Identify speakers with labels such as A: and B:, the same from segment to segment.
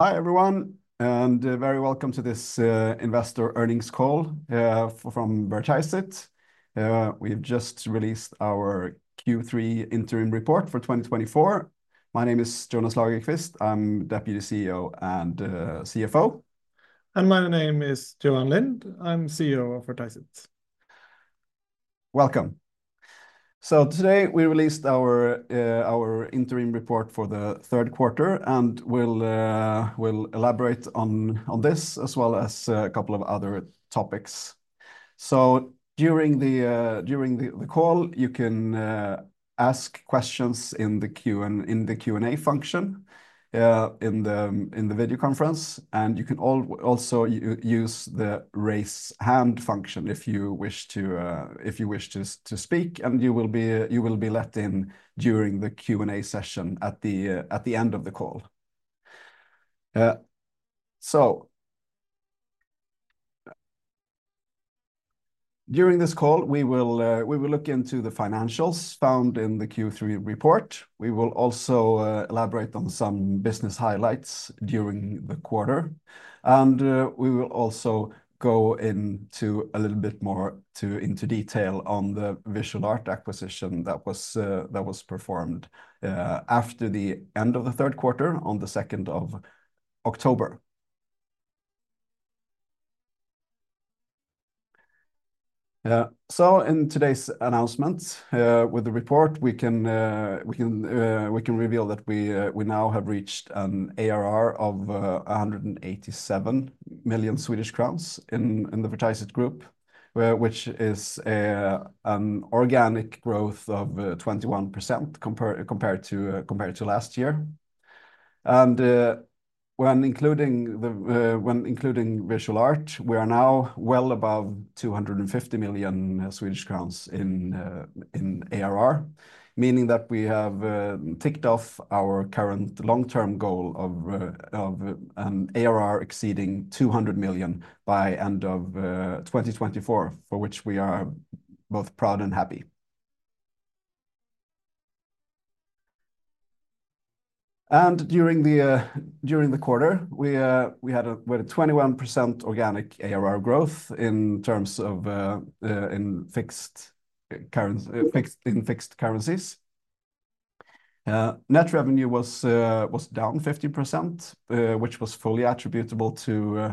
A: Hi everyone, and very welcome to this investor earnings call from Vertiseit. We've just released our Q3 interim report for 2024. My name is Jonas Lagerqvist. I'm Deputy CEO and CFO.
B: My name is Johan Lind. I'm CEO of Vertiseit.
A: Welcome. Today we released our interim report for the third quarter, and we'll elaborate on this as well as a couple of other topics. During the call, you can ask questions in the Q&A function in the video conference, and you can also use the Raise Hand function if you wish to speak, and you will be let in during the Q&A session at the end of the call. During this call, we will look into the financials found in the Q3 report. We will also elaborate on some business highlights during the quarter, and we will also go into a little bit more into detail on the Visual Art acquisition that was performed after the end of the third quarter on the 2nd of October. In today's announcement with the report, we can reveal that we now have reached an ARR of 187 million Swedish crowns in the Vertiseit Group, which is an organic growth of 21% compared to last year. And when including Visual Art, we are now well above 250 million Swedish crowns in ARR, meaning that we have ticked off our current long-term goal of an ARR exceeding 200 million by the end of 2024, for which we are both proud and happy. And during the quarter, we had a 21% organic ARR growth in terms of fixed index currencies. Net revenue was down 15%, which was fully attributable to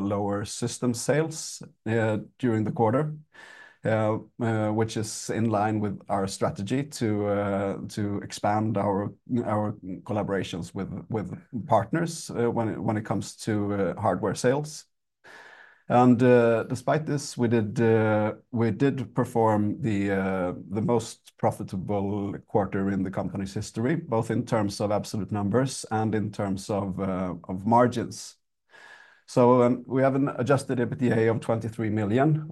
A: lower system sales during the quarter, which is in line with our strategy to expand our collaborations with partners when it comes to hardware sales. Despite this, we did perform the most profitable quarter in the company's history, both in terms of absolute numbers and in terms of margins. We have an adjusted EBITDA of 23 million,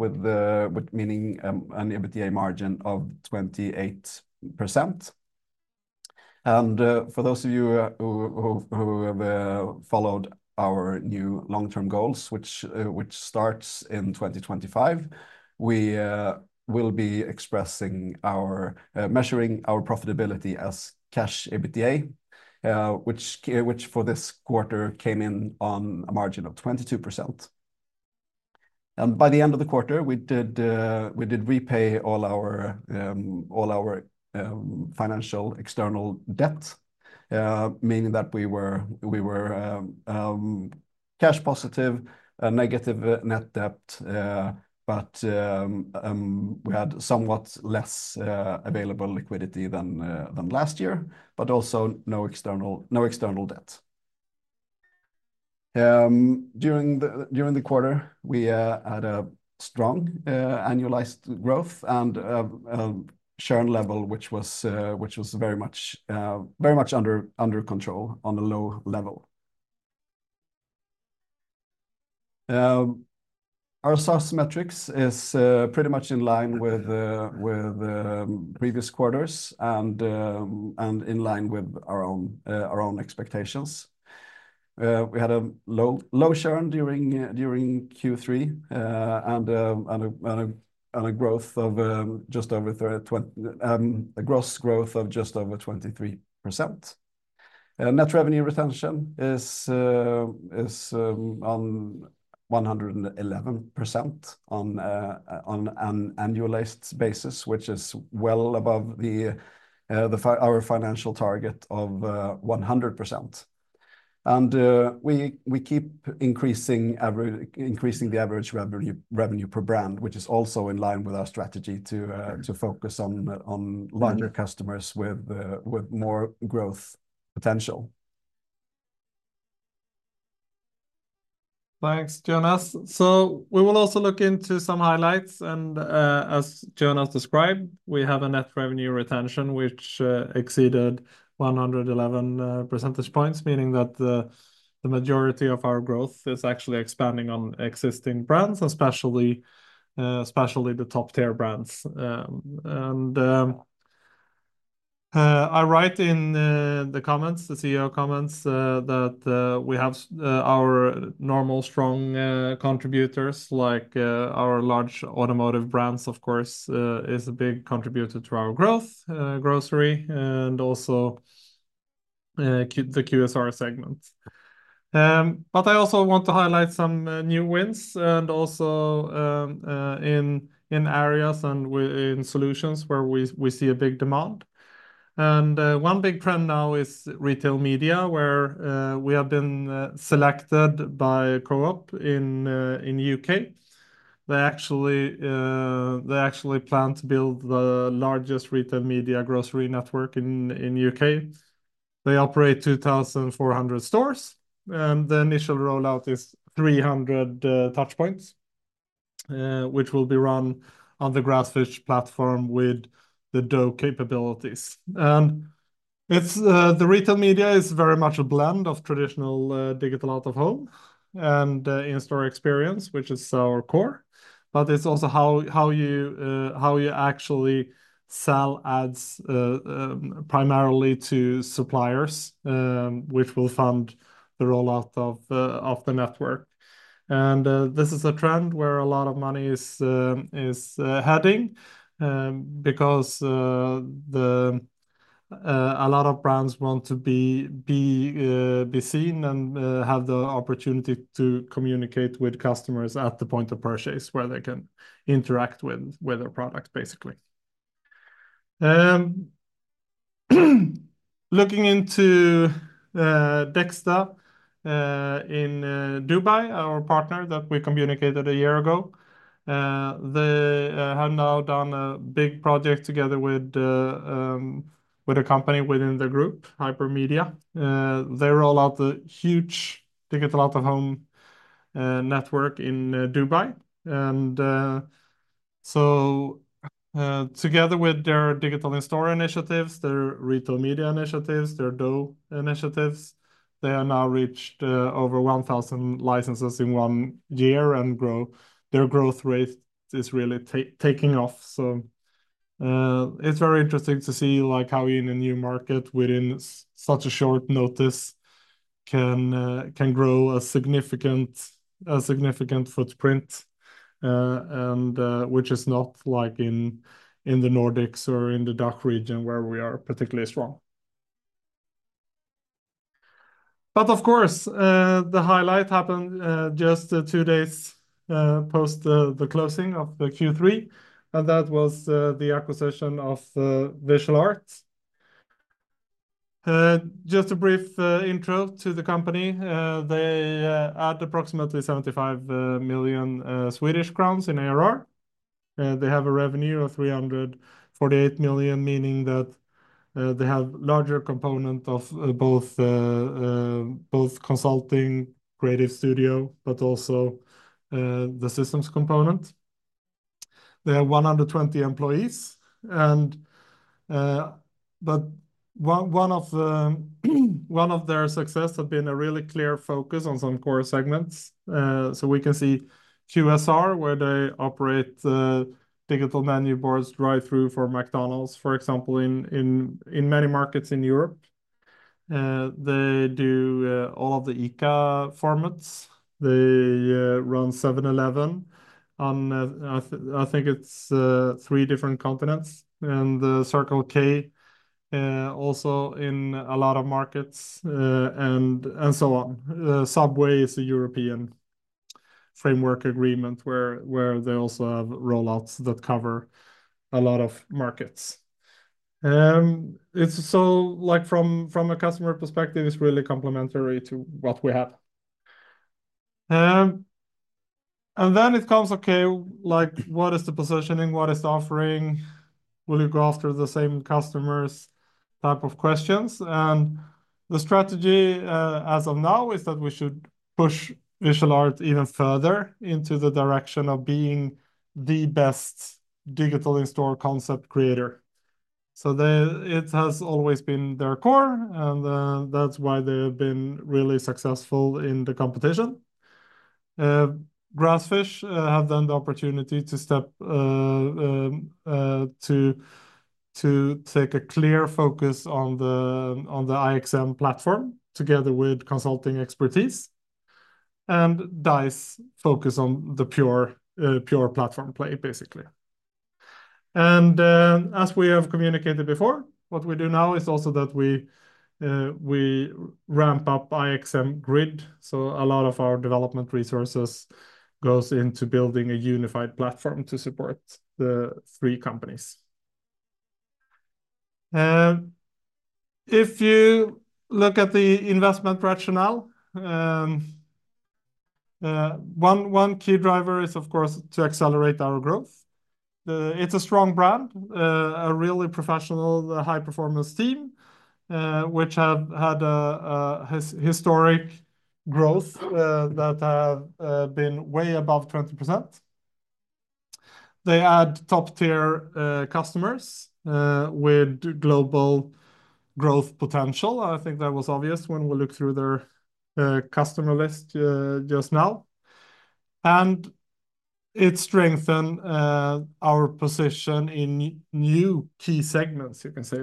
A: meaning an EBITDA margin of 28%. For those of you who have followed our new long-term goals, which starts in 2025, we will be expressing our measuring our profitability as cash EBITDA, which for this quarter came in on a margin of 22%. By the end of the quarter, we did repay all our financial external debt, meaning that we were cash positive, negative net debt, but we had somewhat less available liquidity than last year, but also no external debt. During the quarter, we had a strong annualized growth and a churn level, which was very much under control on a low level. Our SaaS metrics are pretty much in line with previous quarters and in line with our own expectations. We had a low churn during Q3 and a growth of just over 20%, a gross growth of just over 23%. Net revenue retention is on 111% on an annualized basis, which is well above our financial target of 100%, and we keep increasing the average revenue per brand, which is also in line with our strategy to focus on larger customers with more growth potential.
B: Thanks, Jonas. So we will also look into some highlights. And as Jonas described, we have a net revenue retention which exceeded 111 percentage points, meaning that the majority of our growth is actually expanding on existing brands, especially the top-tier brands. And I write in the comments, the CEO comments, that we have our normal strong contributors like our large automotive brands, of course, is a big contributor to our growth, grocery, and also the QSR segment. But I also want to highlight some new wins and also in areas and in solutions where we see a big demand. And one big trend now is retail media, where we have been selected by a Co-op in the U.K. They actually plan to build the largest retail media grocery network in the U.K. They operate 2,400 stores, and the initial rollout is 300 touchpoints, which will be run on the Grassfish platform with the DOOH capabilities, and the retail media is very much a blend of traditional digital out-of-home and in-store experience, which is our core, but it's also how you actually sell ads primarily to suppliers, which will fund the rollout of the network, and this is a trend where a lot of money is heading because a lot of brands want to be seen and have the opportunity to communicate with customers at the point of purchase where they can interact with their product, basically. Looking into DXTA in Dubai, our partner that we communicated a year ago, they have now done a big project together with a company within the group, Hypermedia. They roll out a huge digital out-of-home network in Dubai. Together with their digital in-store initiatives, their retail media initiatives, their DOOH initiatives, they have now reached over 1,000 licenses in one year, and their growth rate is really taking off. It's very interesting to see how in a new market within such a short notice can grow a significant footprint, which is not like in the Nordics or in the DACH region where we are particularly strong. Of course, the highlight happened just two days post the closing of the Q3, and that was the acquisition of Visual Art. Just a brief intro to the company. They add approximately 75 million Swedish crowns in ARR. They have a revenue of 348 million, meaning that they have a larger component of both consulting, creative studio, but also the systems component. They have 120 employees. But one of their successes has been a really clear focus on some core segments. So we can see QSR, where they operate digital menu boards drive-thru for McDonald's, for example, in many markets in Europe. They do all of the ICA formats. They run 7-Eleven on, I think, three different continents and Circle K also in a lot of markets and so on. Subway is a European framework agreement where they also have rollouts that cover a lot of markets. So from a customer perspective, it's really complementary to what we have. And then it comes, okay, what is the positioning? What is the offering? Will you go after the same customers' type of questions? And the strategy as of now is that we should push Visual Art even further into the direction of being the best digital in-store concept creator. So it has always been their core, and that's why they have been really successful in the competition. Grassfish have then the opportunity to step to take a clear focus on the IXM platform together with consulting expertise and Dise focus on the pure platform play, basically. And as we have communicated before, what we do now is also that we ramp up IXM Grid. So a lot of our development resources go into building a unified platform to support the three companies. If you look at the investment rationale, one key driver is, of course, to accelerate our growth. It's a strong brand, a really professional, high-performance team, which has had historic growth that has been way above 20%. They add top-tier customers with global growth potential. I think that was obvious when we looked through their customer list just now. It strengthens our position in new key segments, you can say.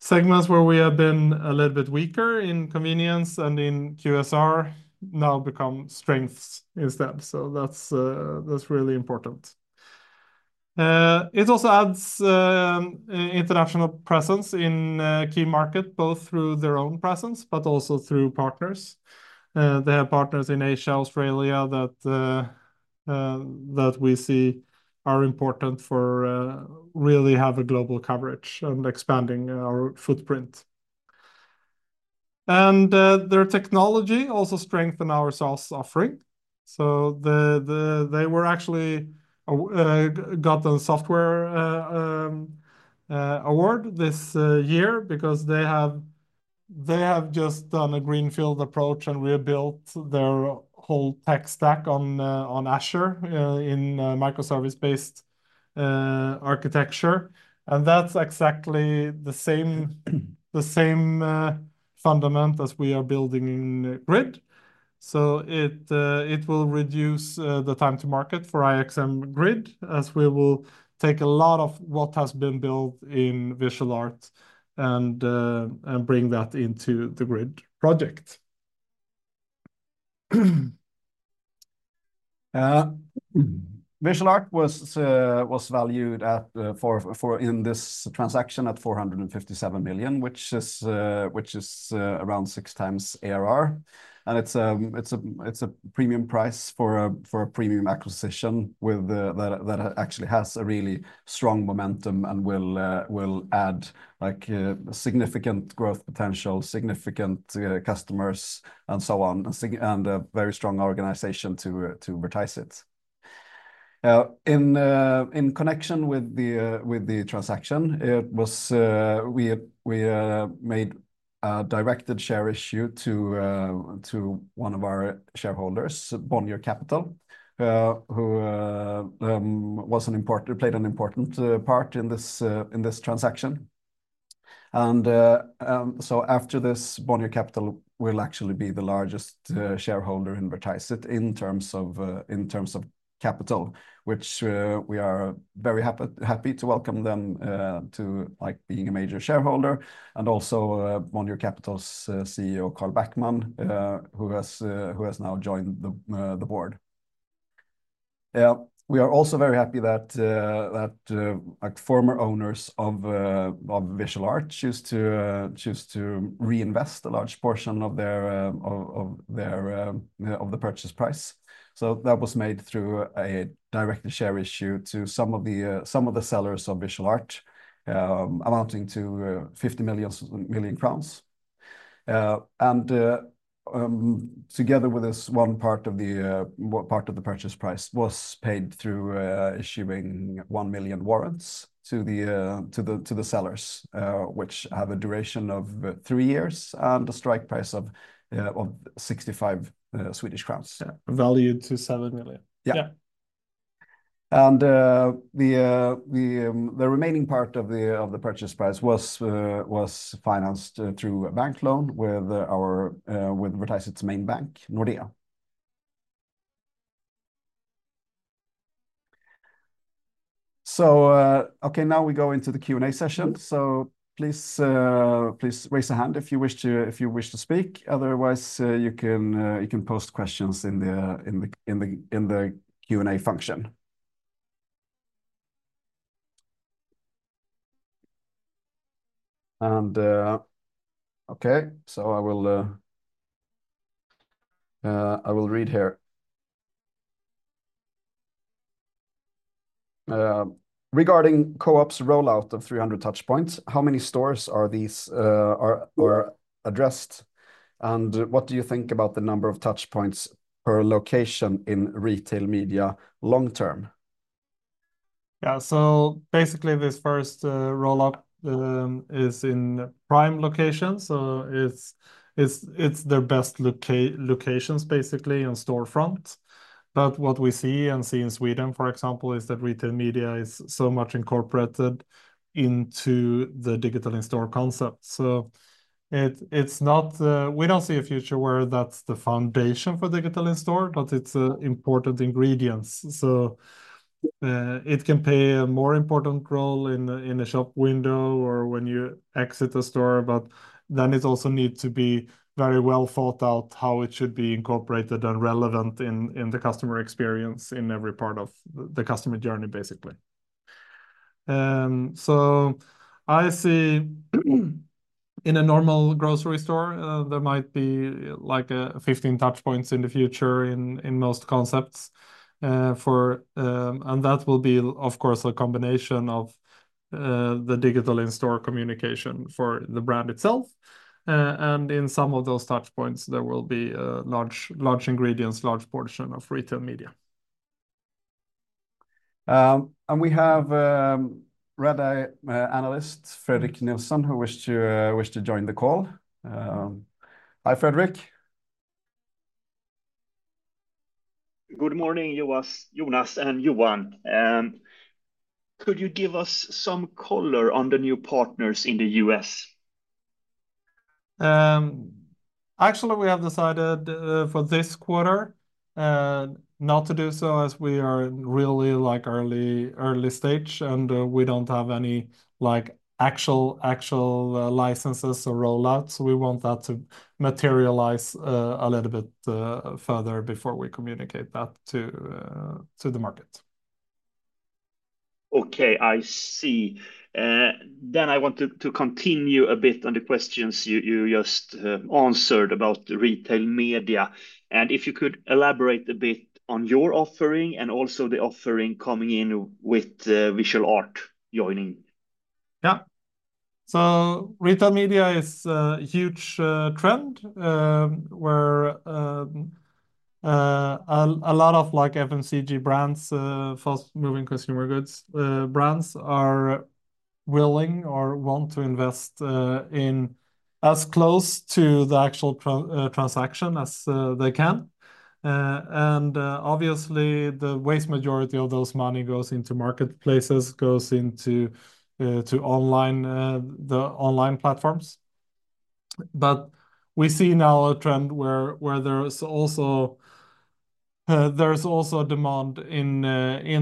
B: Segments where we have been a little bit weaker in convenience and in QSR now become strengths instead. That's really important. It also adds international presence in key markets, both through their own presence, but also through partners. They have partners in Asia, Australia that we see are important for really having global coverage and expanding our footprint. Their technology also strengthens our SaaS offering. They actually got a software award this year because they have just done a greenfield approach and rebuilt their whole tech stack on Azure in microservice-based architecture. That's exactly the same foundation as we are building in Grid. So it will reduce the time to market for IXM Grid, as we will take a lot of what has been built in Visual Art and bring that into the Grid project.
A: Visual Art was valued in this transaction at 457 million, which is around 6x ARR. And it's a premium price for a premium acquisition that actually has a really strong momentum and will add significant growth potential, significant customers, and so on, and a very strong organization to Vertiseit. In connection with the transaction, we made a directed share issue to one of our shareholders, Bonnier Capital, who played an important part in this transaction. And so after this, Bonnier Capital will actually be the largest shareholder in Vertiseit in terms of capital, which we are very happy to welcome them to being a major shareholder. And also Bonnier Capital's CEO, Carl Backman, who has now joined the board. We are also very happy that former owners of Visual Art choose to reinvest a large portion of the purchase price. So that was made through a directed share issue to some of the sellers of Visual Art, amounting to 50 million crowns. And together with this, one part of the purchase price was paid through issuing one million warrants to the sellers, which have a duration of three years and a strike price of 65 Swedish crowns.
B: Valued at 7 million.
A: Yeah. Yeah. And the remaining part of the purchase price was financed through a bank loan with Vertiseit's main bank, Nordea. So okay, now we go into the Q&A session. So please raise your hand if you wish to speak. Otherwise, you can post questions in the Q&A function. And okay, so I will read here. Regarding Co-op's rollout of 300 touchpoints, how many stores are addressed? And what do you think about the number of touchpoints per location in retail media long-term?
B: Yeah, so basically, this first rollout is in prime locations. So it's their best locations, basically, on storefronts. But what we see in Sweden, for example, is that retail media is so much incorporated into the digital in-store concept. So we don't see a future where that's the foundation for digital in-store, but it's an important ingredient. So it can play a more important role in the shop window or when you exit the store, but then it also needs to be very well thought out how it should be incorporated and relevant in the customer experience in every part of the customer journey, basically. So I see in a normal grocery store, there might be like 15 touchpoints in the future in most concepts. And that will be, of course, a combination of the digital in-store communication for the brand itself. In some of those touchpoints, there will be large ingredients, large portion of retail media.
A: We have Redeye analyst, Fredrik Nilsson, who wished to join the call. Hi, Fredrik.
C: Good morning, Jonas and Johan. Could you give us some color on the new partners in the U.S.?
B: Actually, we have decided for this quarter not to do so as we are really early stage. And we don't have any actual licenses or rollouts. We want that to materialize a little bit further before we communicate that to the market.
C: Okay, I see. Then I want to continue a bit on the questions you just answered about retail media. And if you could elaborate a bit on your offering and also the offering coming in with Visual Art joining.
B: Yeah, so retail media is a huge trend where a lot of FMCG brands, fast-moving consumer goods brands are willing or want to invest in as close to the actual transaction as they can. And obviously, the vast majority of those money goes into marketplaces, goes into online platforms. But we see now a trend where there's also demand in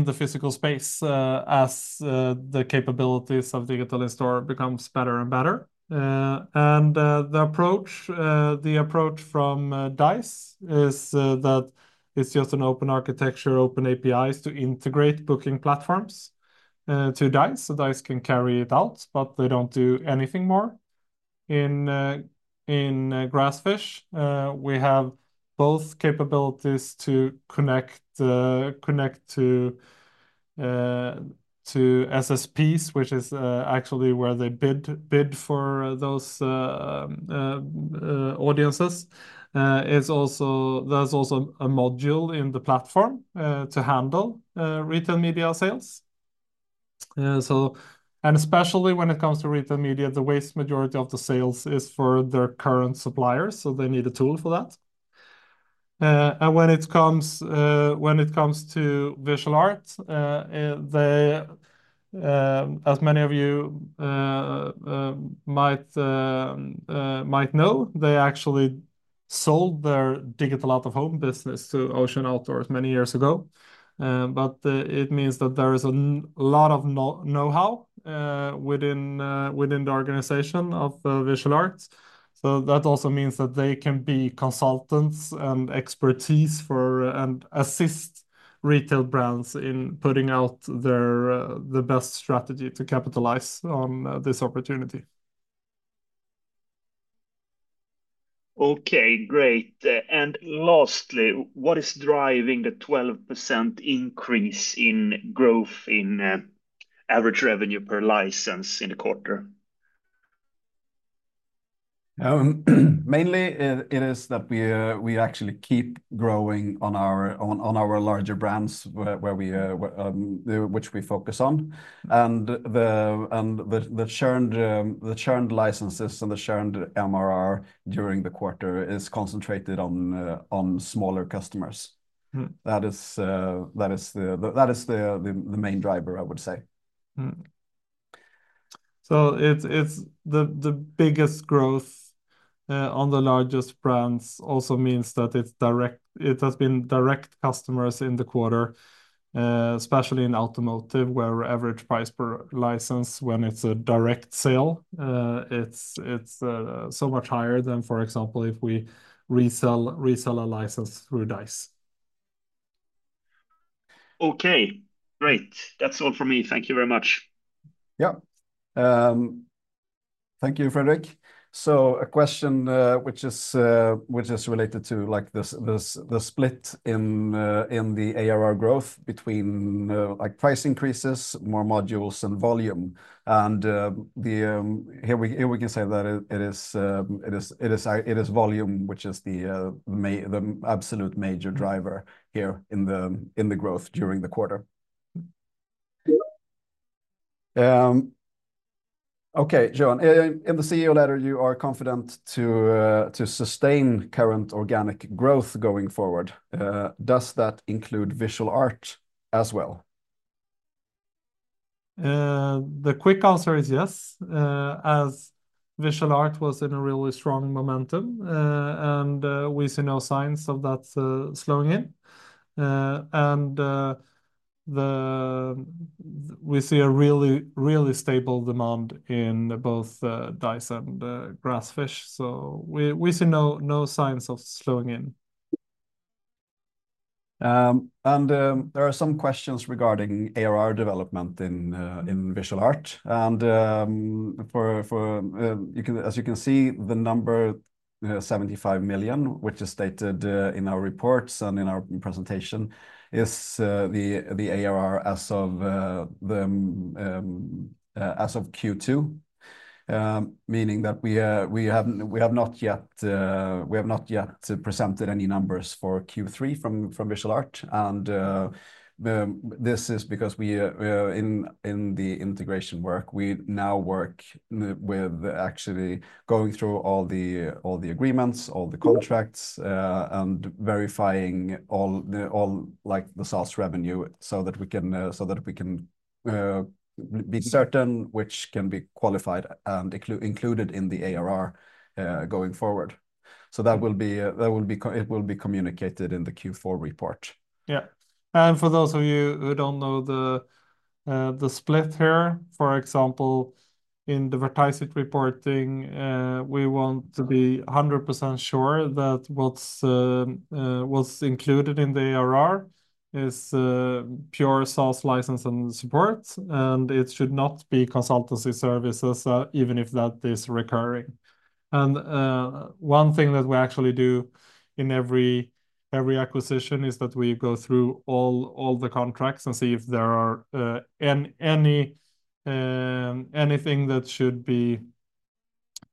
B: the physical space as the capabilities of digital in-store become better and better. And the approach from Dise is that it's just an open architecture, open APIs to integrate booking platforms to Dise. So Dise can carry it out, but they don't do anything more in Grassfish. We have both capabilities to connect to SSPs, which is actually where they bid for those audiences. There's also a module in the platform to handle retail media sales. And especially when it comes to retail media, the vast majority of the sales is for their current suppliers. So they need a tool for that. And when it comes to Visual Art, as many of you might know, they actually sold their digital out-of-home business to Ocean Outdoor many years ago. But it means that there is a lot of know-how within the organization of Visual Art. So that also means that they can be consultants and expertise and assist retail brands in putting out the best strategy to capitalize on this opportunity.
C: Okay, great. And lastly, what is driving the 12% increase in growth in average revenue per license in the quarter?
A: Mainly, it is that we actually keep growing on our larger brands, which we focus on. And the shared licenses and the shared MRR during the quarter is concentrated on smaller customers. That is the main driver, I would say. So the biggest growth on the largest brands also means that it has been direct customers in the quarter, especially in automotive, where average price per license, when it's a direct sale, it's so much higher than, for example, if we resell a license through Dise.
C: Okay, great. That's all for me. Thank you very much.
A: Yeah. Thank you, Fredrik. So a question which is related to the split in the ARR growth between price increases, more modules, and volume. And here we can say that it is volume, which is the absolute major driver here in the growth during the quarter. Okay, Johan, in the CEO letter, you are confident to sustain current organic growth going forward. Does that include Visual Art as well?
B: The quick answer is yes, as Visual Art was in a really strong momentum. And we see no signs of that slowing in. And we see a really stable demand in both Dise and Grassfish. So we see no signs of slowing in.
A: There are some questions regarding ARR development in Visual Art. As you can see, the number 75 million, which is stated in our reports and in our presentation, is the ARR as of Q2, meaning that we have not yet presented any numbers for Q3 from Visual Art. This is because in the integration work, we now work with actually going through all the agreements, all the contracts, and verifying all the SaaS revenue so that we can be certain which can be qualified and included in the ARR going forward. That will be communicated in the Q4 report.
B: Yeah. And for those of you who don't know the split here, for example, in the Vertiseit reporting, we want to be 100% sure that what's included in the ARR is pure SaaS license and support. And it should not be consultancy services, even if that is recurring. And one thing that we actually do in every acquisition is that we go through all the contracts and see if there is anything that should be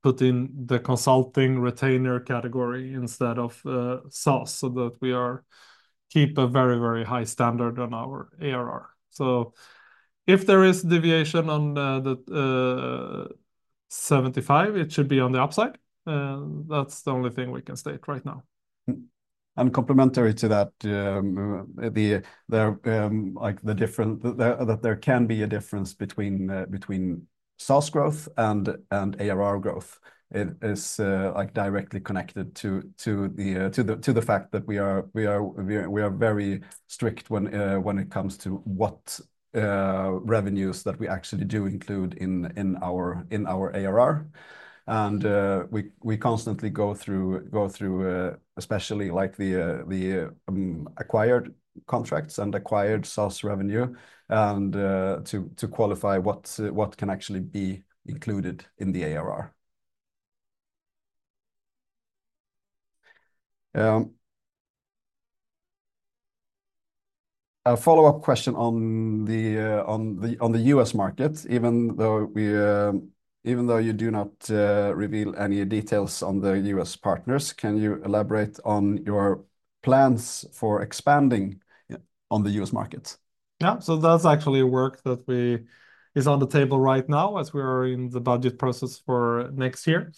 B: put in the consulting retainer category instead of SaaS so that we keep a very, very high standard on our ARR. So if there is deviation on the 75%, it should be on the upside. That's the only thing we can state right now.
A: Complementary to that, there can be a difference between SaaS growth and ARR growth. It is directly connected to the fact that we are very strict when it comes to what revenues that we actually do include in our ARR. We constantly go through, especially the acquired contracts and acquired SaaS revenue, to qualify what can actually be included in the ARR. A follow-up question on the U.S. market, even though you do not reveal any details on the U.S. partners, can you elaborate on your plans for expanding on the U.S. market?
B: Yeah, so that's actually work that is on the table right now as we are in the budget process for next year.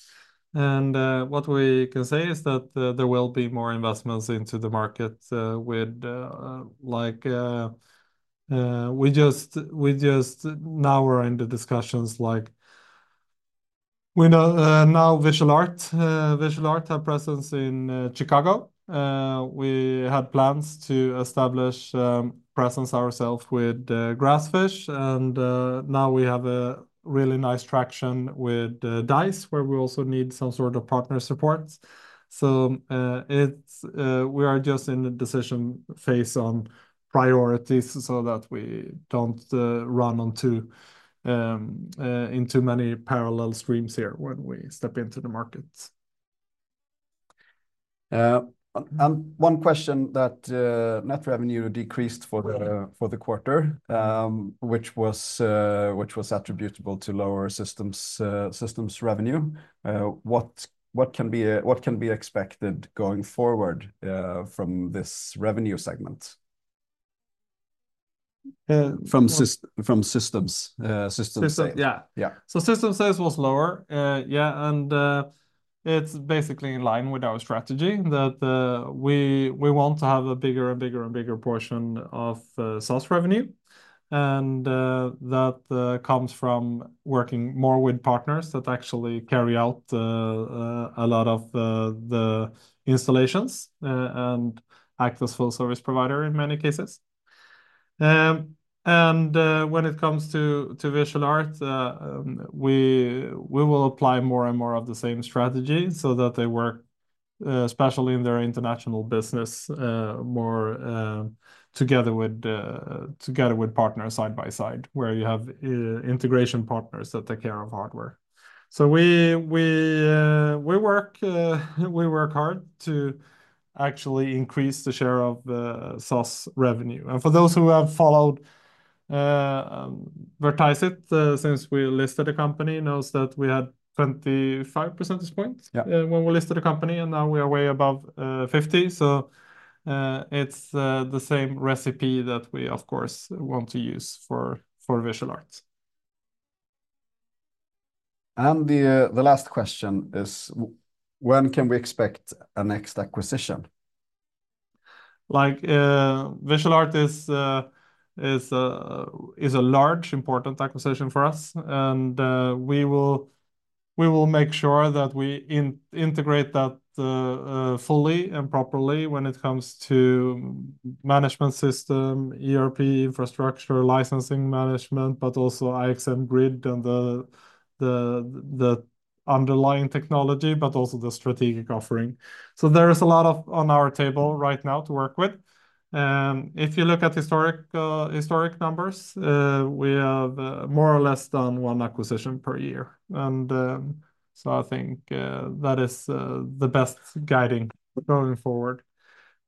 B: And what we can say is that there will be more investments into the market with we just now are in the discussions like we know now Visual Art has a presence in Chicago. We had plans to establish a presence ourselves with Grassfish. And now we have a really nice traction with Dise, where we also need some sort of partner support. So we are just in the decision phase on priorities so that we don't run into many parallel streams here when we step into the market.
A: One question that net revenue decreased for the quarter, which was attributable to lower systems revenue. What can be expected going forward from this revenue segment? From systems.
B: Systems, yeah. System size was lower. Yeah, and it's basically in line with our strategy that we want to have a bigger and bigger and bigger portion of SaaS revenue. And that comes from working more with partners that actually carry out a lot of the installations and act as full-service providers in many cases. And when it comes to Visual Art, we will apply more and more of the same strategy so that they work, especially in their international business, more together with partners side by side, where you have integration partners that take care of hardware. So we work hard to actually increase the share of SaaS revenue. And for those who have followed Vertiseit since we listed the company, knows that we had 25 percentage points when we listed the company. And now we are way above 50. So it's the same recipe that we, of course, want to use for Visual Art.
A: The last question is, when can we expect a next acquisition?
B: Visual Art is a large, important acquisition for us, and we will make sure that we integrate that fully and properly when it comes to management system, ERP infrastructure, licensing management, but also IXM Grid and the underlying technology, but also the strategic offering, so there is a lot on our table right now to work with. If you look at historic numbers, we have more or less done one acquisition per year, and so I think that is the best guiding going forward,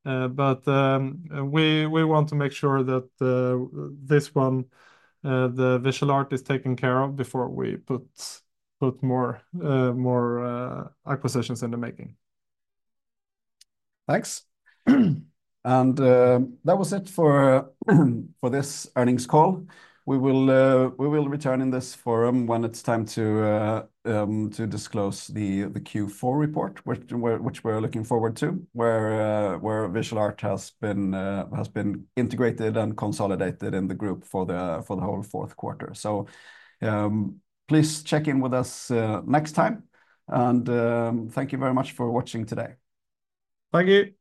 B: but we want to make sure that this one, the Visual Art, is taken care of before we put more acquisitions in the making.
A: Thanks. And that was it for this earnings call. We will return in this forum when it's time to disclose the Q4 report, which we're looking forward to, where Visual Art has been integrated and consolidated in the group for the whole fourth quarter. So please check in with us next time. And thank you very much for watching today.
B: Thank you.